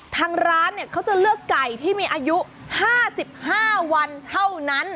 ทางร้านเขาจะเลือกไก่ที่มีอายุ๕๕วันเท่านั้น